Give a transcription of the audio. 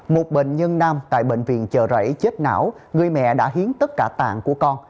một bệnh nhân nam tại bệnh viện chợ rẫy chết não người mẹ đã hiến tất cả tạng của con